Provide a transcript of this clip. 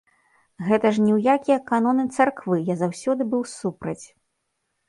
Гэта ж ні ў якія каноны царквы, я заўсёды быў супраць.